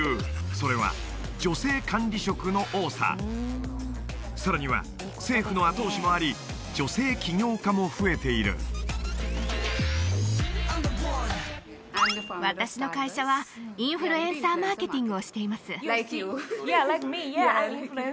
それは女性管理職の多ささらには政府の後押しもあり女性起業家も増えている私の会社はインフルエンサーマーケティングをしています